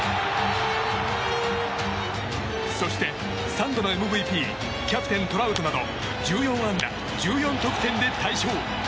そして、３度のＭＶＰキャプテン、トラウトなど１４安打１４得点で大勝。